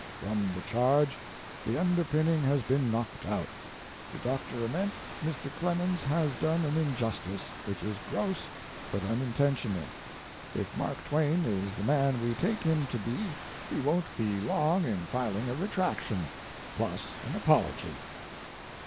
"From the charge the underpinning has been knocked out. To Dr. Ament Mr. Clemens has done an injustice which is gross but unin tentional. If Mark Twain is the man we take him to be he won't be long in filing a retraction, plus an apology."